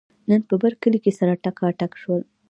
نن په برکلي کې سره ټکاټک شول.